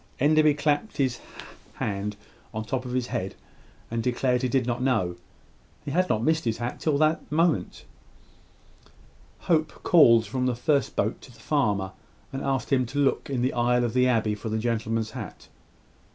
Enderby clapped his hand on the top of his head, and declared he did not know. He had not missed his hat till this moment. Hope called from the first boat to the farmer, and asked him to look in the aisle of the abbey for the gentleman's hat.